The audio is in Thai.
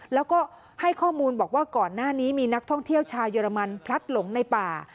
แล้วก็ให้ข้อมูลบอกว่าก่อนหน้านี้มีนักท่องเที่ยวชาวเยอรมันพลัดหลงในป่า